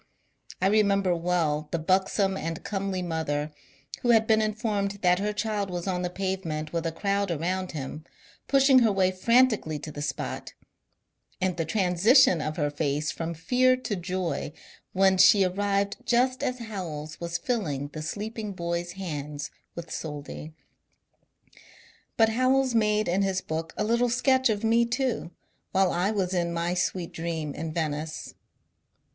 I remember well the buxom and comely mother, who had been informed that her child was on the pavement with a crowd around him, pushing her way frantically to the spot, and the transition of her face from fear to joy when she arrived just as Howells was filling the sleeping boy's hands with soldi. But Howells made in his book a little sketch of me, too, while I was in my sweet dream in Venice.